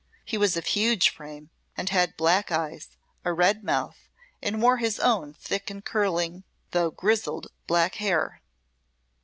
He was of huge frame and had black eyes, a red mouth, and wore his own thick and curling though grizzled black hair.